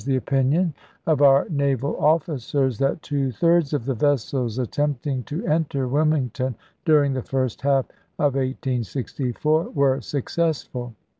the opinion of onr naval officers that two thirds of the vessels attempting to enter Wilmington during the first half of 1864 were successful.